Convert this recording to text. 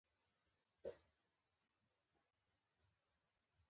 کلتوري او سیاسي شرایط مانع نه ګرځي.